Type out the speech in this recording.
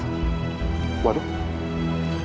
jangan jangan mau dikloik tuh sam